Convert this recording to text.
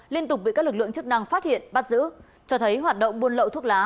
liên tục bị các lực lượng chức năng phát hiện bắt giữ cho thấy hoạt động buôn lậu thuốc lá